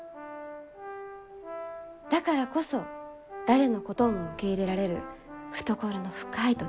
だからこそ誰のことも受け入れられる懐の深い土地です。